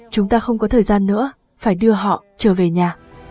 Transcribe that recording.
chúng ta không có thời gian nữa phải đưa họ trở về nhà